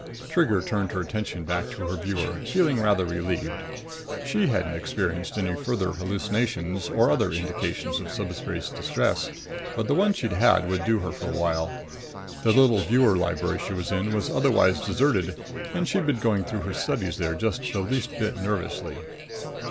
Trigger turned her attention back to her viewer, feeling rather relieved. She hadn't experienced any further hallucinations, or other indications of subspace distress; but the one she'd had would do her for a while. The little viewer library she was in was otherwise deserted, and she'd been going about her studies there just the least bit nervously.